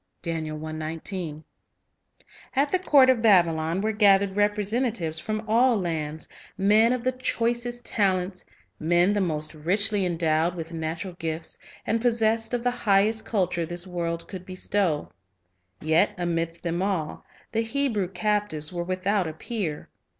1 At the court of Babylon were gathered representa tives from all lands, men of the choicest talents, men the most richly endowed with natural gifts, and possessed of the highest culture this world could bestow; yet amidst them all, the Hebrew captives were without a peer.